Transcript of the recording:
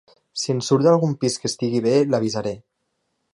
Si en surt algun pis que estigui bé, l'avisaré.